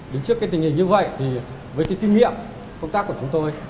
đứng trước tình hình như vậy với kinh nghiệm công tác của chúng tôi